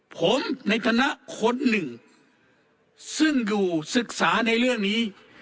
ผมในฐานะคนหนึ่งซึ่งอยู่ศึกษาในเรื่องนี้